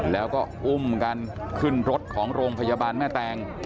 แล้วก็อุ้มกันขึ้นรถของโรงพยาบาลแม่แตง